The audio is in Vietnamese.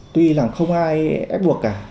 tuy là không ai ép buộc cả